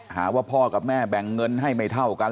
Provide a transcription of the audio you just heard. หาว่าพ่อกับแม่แบ่งเงินให้ไม่เท่ากัน